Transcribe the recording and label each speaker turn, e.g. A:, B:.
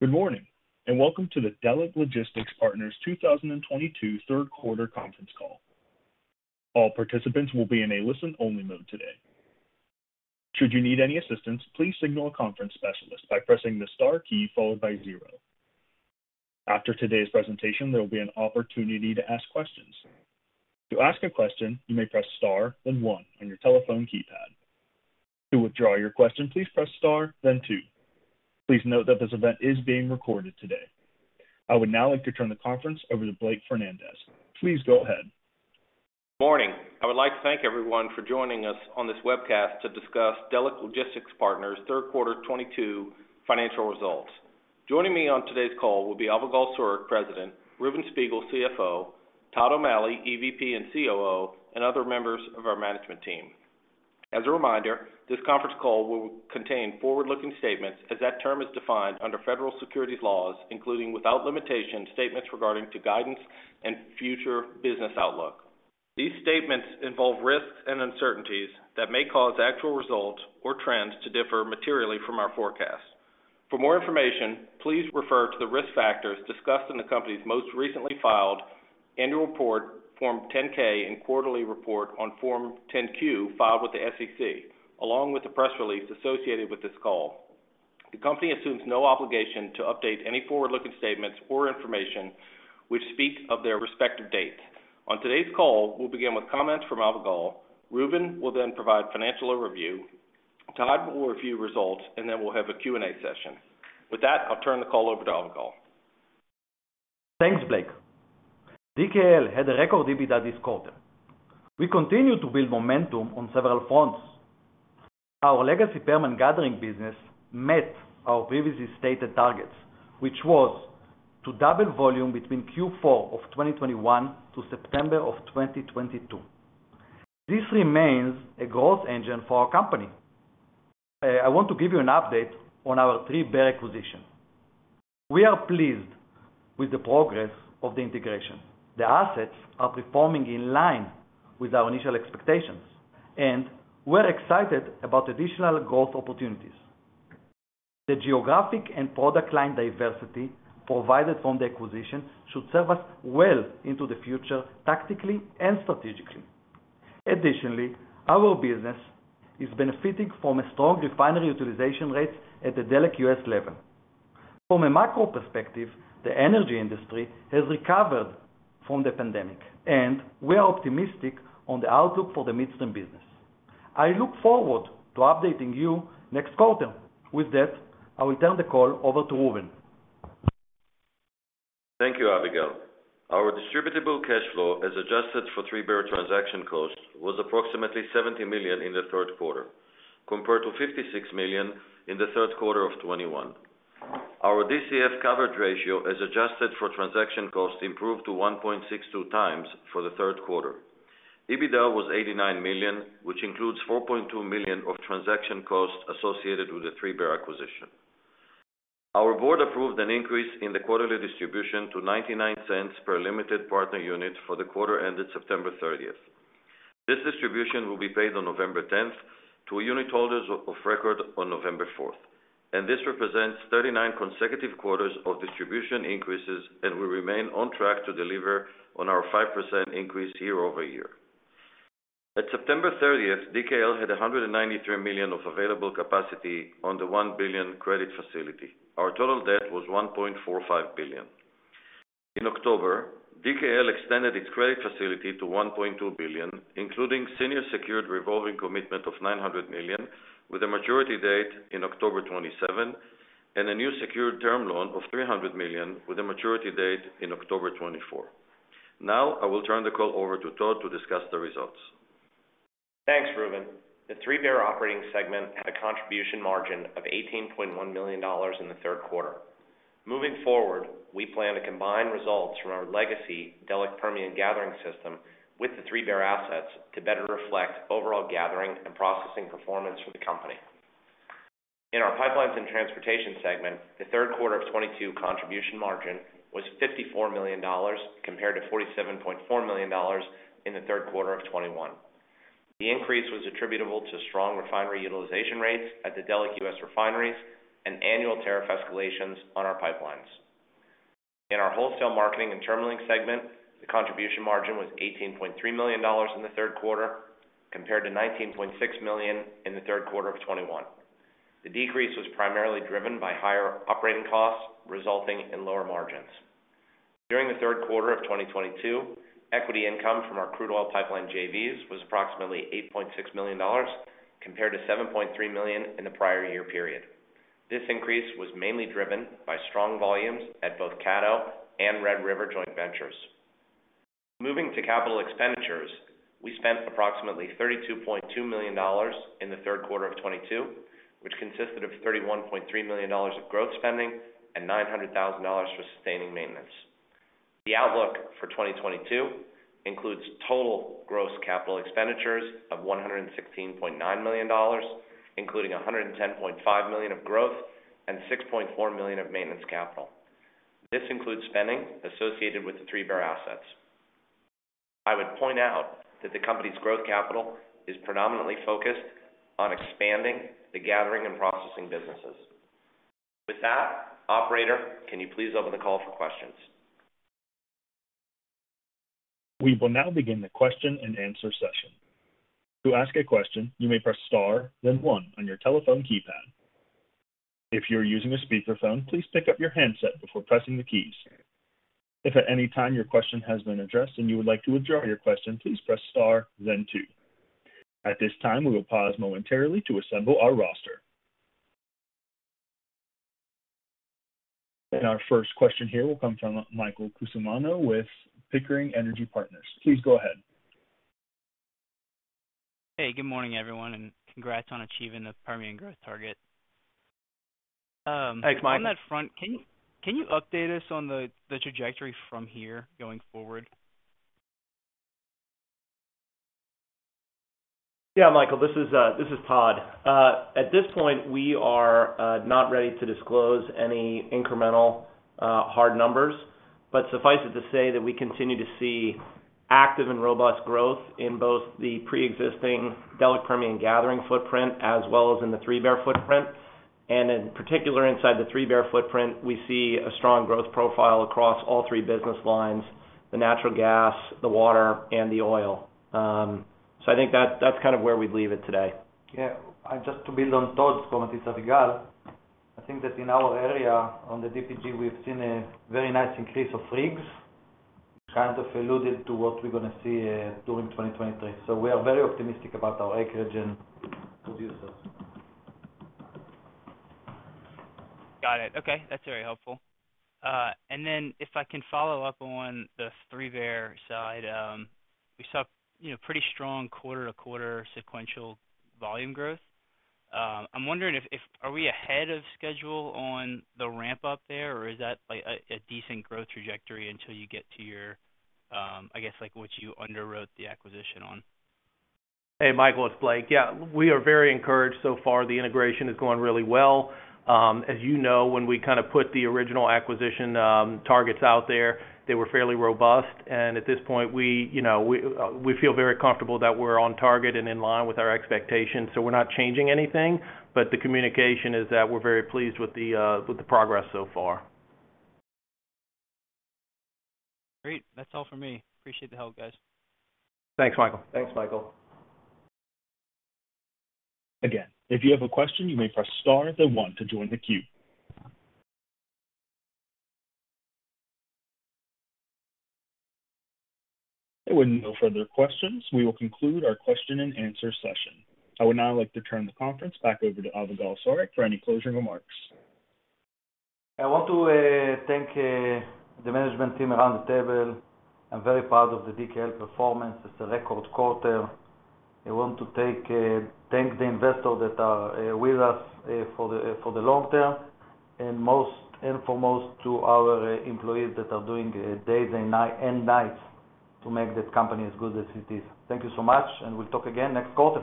A: Good morning, and welcome to the Delek Logistics Partners 2022 third quarter conference call. All participants will be in a listen-only mode today. Should you need any assistance, please signal a conference specialist by pressing the star key followed by zero. After today's presentation, there will be an opportunity to ask questions. To ask a question, you may press star, then one on your telephone keypad. To withdraw your question, please press star, then two. Please note that this event is being recorded today. I would now like to turn the conference over to Blake Fernandez. Please go ahead.
B: Morning. I would like to thank everyone for joining us on this webcast to discuss Delek Logistics Partners' third quarter 2022 financial results. Joining me on today's call will be Avigal Soreq, President, Reuven Spiegel, Chief Financial Officer, Todd O'Malley, Executive Vice President and Chief Operating Officer, and other members of our management team. As a reminder, this conference call will contain forward-looking statements as that term is defined under federal securities laws, including without limitation statements regarding guidance and future business outlook. These statements involve risks and uncertainties that may cause actual results or trends to differ materially from our forecast. For more information, please refer to the risk factors discussed in the company's most recently filed Annual Report Form 10-K and Quarterly Report on Form 10-Q filed with the SEC, along with the press release associated with this call. The company assumes no obligation to update any forward-looking statements or information which speak as of their respective dates. On today's call, we'll begin with comments from Avigal Soreq. Reuven will then provide financial overview. Todd will review results, and then we'll have a Q&A session. With that, I'll turn the call over to Avigal Soreq.
C: Thanks, Blake. DKL had a record EBITDA this quarter. We continued to build momentum on several fronts. Our legacy Permian gathering business met our previously stated targets, which was to double volume between Q4 of 2021 to September of 2022. This remains a growth engine for our company. I want to give you an update on our 3Bear acquisition. We are pleased with the progress of the integration. The assets are performing in line with our initial expectations, and we're excited about additional growth opportunities. The geographic and product line diversity provided from the acquisition should serve us well into the future tactically and strategically. Additionally, our business is benefiting from a strong refinery utilization rates at the Delek U.S. level. From a macro perspective, the energy industry has recovered from the pandemic, and we are optimistic on the outlook for the midstream business. I look forward to updating you next quarter. With that, I will turn the call over to Reuven.
D: Thank you, Avigal Soreq. Our distributable cash flow, as adjusted for 3Bear transaction costs, was approximately $70 million in the third quarter, compared to $56 million in the third quarter of 2021. Our DCF coverage ratio, as adjusted for transaction costs, improved to 1.62x for the third quarter. EBITDA was $89 million, which includes $4.2 million of transaction costs associated with the 3Bear acquisition. Our board approved an increase in the quarterly distribution to $0.99 per limited partner unit for the quarter ended September thirtieth. This distribution will be paid on November tenth to unit holders of record on November fourth, and this represents 39 consecutive quarters of distribution increases and we remain on track to deliver on our 5% increase year-over-year. At September 30th, DKL had $193 million of available capacity on the $1 billion credit facility. Our total debt was $1.45 billion. In October, DKL extended its credit facility to $1.2 billion, including senior secured revolving commitment of $900 million with a maturity date in October 2027, and a new secured term loan of $300 million with a maturity date in October 2024. Now, I will turn the call over to Todd to discuss the results.
E: Thanks, Reuven. The 3Bear operating segment had a contribution margin of $18.1 million in the third quarter. Moving forward, we plan to combine results from our legacy Delek Permian gathering system with the 3Bear assets to better reflect overall gathering and processing performance for the company. In our Pipelines and Transportation segment, the third quarter of 2022 contribution margin was $54 million compared to $47.4 million in the third quarter of 2021. The increase was attributable to strong refinery utilization rates at the Delek U.S. refineries and annual tariff escalations on our pipelines. In our Wholesale Marketing and Terminalling segment, the contribution margin was $18.3 million in the third quarter compared to $19.6 million in the third quarter of 2021. The decrease was primarily driven by higher operating costs, resulting in lower margins. During the third quarter of 2022, equity income from our crude oil pipeline JVs was approximately $8.6 million compared to $7.3 million in the prior year period. This increase was mainly driven by strong volumes at both Caddo and Red River joint ventures. Moving to capital expenditures, we spent approximately $32.2 million in the third quarter of 2022, which consisted of $31.3 million of growth spending and $900,000 for sustaining maintenance. The outlook for 2022 includes total gross capital expenditures of $116.9 million, including $110.5 million of growth and $6.4 million of maintenance capital. This includes spending associated with the 3Bear assets. I would point out that the company's growth capital is predominantly focused on expanding the gathering and processing businesses. With that, operator, can you please open the call for questions?
A: We will now begin the question-and-answer session. To ask a question, you may press star then one on your telephone keypad. If you're using a speakerphone, please pick up your handset before pressing the keys. If at any time your question has been addressed and you would like to withdraw your question, please press star then two. At this time, we will pause momentarily to assemble our roster. Our first question here will come from Michael Cusimano with Pickering Energy Partners. Please go ahead.
F: Hey, good morning, everyone, and congrats on achieving the Permian growth target.
E: Thanks, Michael.
F: On that front, can you update us on the trajectory from here going forward?
E: Yeah, Michael, this is Todd. At this point, we are not ready to disclose any incremental hard numbers. Suffice it to say that we continue to see active and robust growth in both the preexisting Delaware Permian gathering footprint as well as in the 3Bear footprint. In particular, inside the 3Bear footprint, we see a strong growth profile across all three business lines, the natural gas, the water, and the oil. I think that's kind of where we'd leave it today.
C: Yeah. Just to build on Todd's comment, it's Avigal. I think that in our area on the DPG, we've seen a very nice increase of rigs, kind of alluded to what we're gonna see during 2023. We are very optimistic about our acreage and producers.
F: Got it. Okay. That's very helpful. If I can follow up on the 3Bear side. We saw, you know, pretty strong quarter-to-quarter sequential volume growth. I'm wondering if we are ahead of schedule on the ramp up there, or is that like a decent growth trajectory until you get to your, I guess like what you underwrote the acquisition on?
B: Hey, Michael, it's Blake. Yeah. We are very encouraged so far. The integration is going really well. As you know, when we kind of put the original acquisition targets out there, they were fairly robust. At this point, you know, we feel very comfortable that we're on target and in line with our expectations. We're not changing anything, but the communication is that we're very pleased with the progress so far.
F: Great. That's all for me. Appreciate the help, guys.
B: Thanks, Michael.
E: Thanks, Michael.
A: Again, if you have a question, you may press star then one to join the queue. With no further questions, we will conclude our question-and-answer session. I would now like to turn the conference back over to Avigal Soreq for any closing remarks.
C: I want to thank the management team around the table. I'm very proud of the DKL performance. It's a record quarter. I want to thank the investors that are with us for the long term, and most and foremost to our employees that are doing days and nights to make this company as good as it is. Thank you so much, and we'll talk again next quarter.